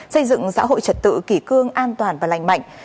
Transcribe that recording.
xây dựng xã hội trật tự kỷ cương an toàn và lành mạnh